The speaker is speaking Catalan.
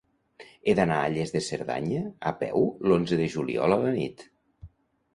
He d'anar a Lles de Cerdanya a peu l'onze de juliol a la nit.